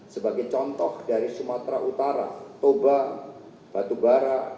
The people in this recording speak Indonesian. sebagai contoh dari sumatera utara toba batubara dairi nias serdang bedakai dari rio bengkalis rokangulo dapetan dan kota samban